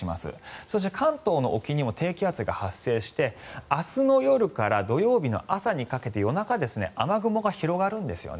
そして関東の沖にも低気圧が発生して明日の夜から土曜日の朝にかけて夜中、雨雲が広がるんですよね。